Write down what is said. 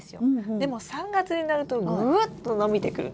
でも３月になるとぐっと伸びてくるんです。